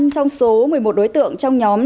năm trong số một mươi một đối tượng trong nhóm